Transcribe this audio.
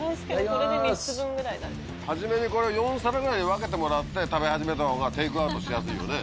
初めにこれ４皿ぐらいに分けてもらって食べ始めた方がテイクアウトしやすいよね。